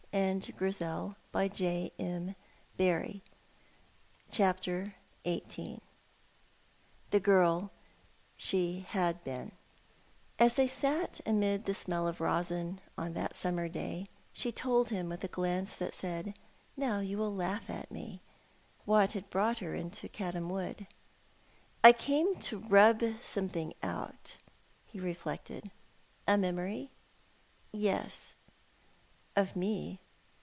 PART II CHAPTER XVIII THE GIRL SHE HAD BEEN As they sat amid the smell of rosin on that summer day, she told him, with a glance that said, "Now you will laugh at me," what had brought her into Caddam Wood. "I came to rub something out." He reflected. "A memory?" "Yes." "Of me?"